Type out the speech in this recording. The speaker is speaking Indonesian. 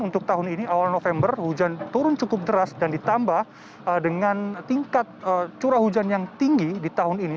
untuk tahun ini awal november hujan turun cukup deras dan ditambah dengan tingkat curah hujan yang tinggi di tahun ini